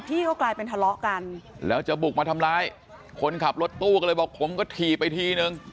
พี่ก็กลายเป็นทะเลาะกันแล้วจะบุกมาทำร้ายคนขับรถตู้ก็เลยบอกผมก็ถีบไปทีนึง